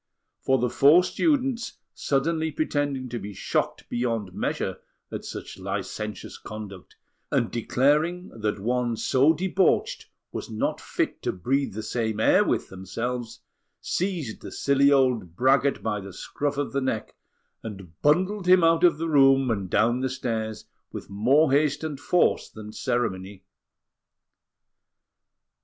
For the four students, suddenly pretending to be shocked beyond measure at such licentious conduct and declaring that one so debauched was not fit to breathe the same air with themselves, seized the silly old braggart by the scruff of the neck, and bundled him out of the room and down the stairs with more haste and force than ceremony.